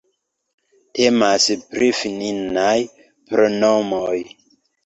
Temas pri finnaj pronomoj.